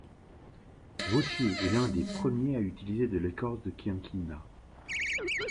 Vautier est l'un des premiers à utiliser de l'écorce de quinquina.